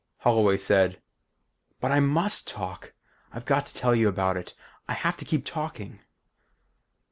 Holloway said, "But, I must talk! I've got to tell you about it. I have to keep talking."